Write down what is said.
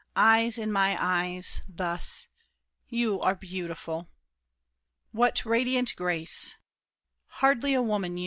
Eyes in my eyes: thus. You are beautiful! What radiant grace! Hardly a woman, you!